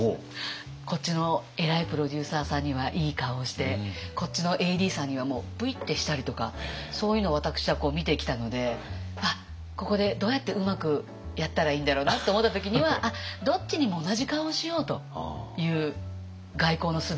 こっちの偉いプロデューサーさんにはいい顔してこっちのＡＤさんにはもうプイッてしたりとかそういうのを私は見てきたので「あっここでどうやってうまくやったらいいんだろうな」って思った時にはどっちにも同じ顔をしようという外交のすべを。